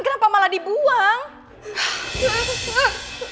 kenapa tijdinya aku tak nolong lagi